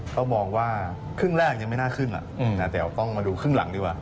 ก็มองว่าครึ่งแรกยังไม่น่าขึ้นแต่ต้องมาดูครึ่งหลังดีกว่า